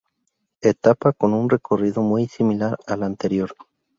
Etapa con un recorrido muy similar al anterior.